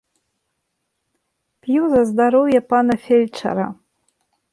П'ю за здароўе пана фельчара.